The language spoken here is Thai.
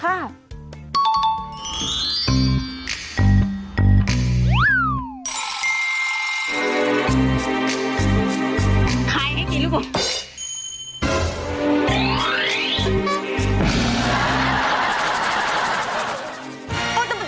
ขายให้กินลูก